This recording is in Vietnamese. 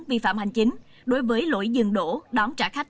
vi phạm hành chính đối với lỗi dừng đổ đón trả khách